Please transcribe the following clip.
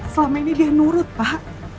selama ini dia nurut pak